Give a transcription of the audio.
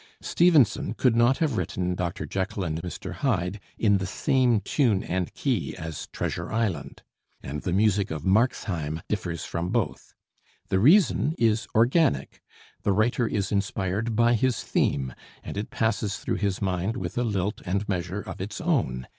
Stevenson could not have written 'Dr. Jekyll and Mr. Hyde' in the same tune and key as 'Treasure Island'; and the music of 'Marxheim' differs from both. The reason is organic: the writer is inspired by his theme, and it passes through his mind with a lilt and measure of its own.